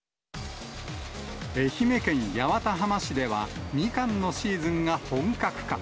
愛媛県八幡浜市ではミカンのシーズンが本格化。